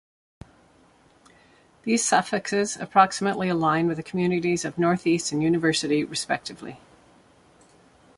These suffixes approximately align with the communities of Northeast and University respectively.